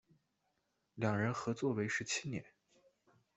两人合作为时七年。